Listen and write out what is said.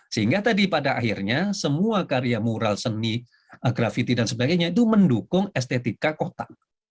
sehingga tadi pada akhirnya semua karya mural seni grafiti dan sebagainya itu mendukung estetika kota